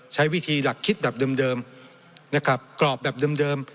ใช้วิธีหลักคิดแบบเดิมนะครับกรอบแบบเดิม